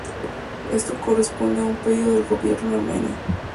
Esto corresponde a un pedido del gobierno armenio.